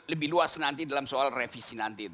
lebih luas nanti dalam soal revisi nanti itu